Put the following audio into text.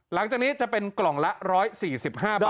หลังจากนี้จะเป็นกล่องละ๑๔๕บาท